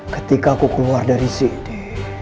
ketika aku keluar dari sini